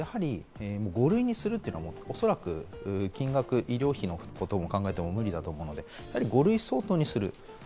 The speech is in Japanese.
５類にするというのはおそらく、医療費のことも考えてだと思うので、５類相当にする。